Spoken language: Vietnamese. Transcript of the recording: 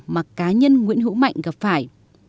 và cá nhân nguyễn hữu mạnh gặp phải